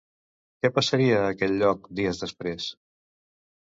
Què passaria a aquell lloc dies després?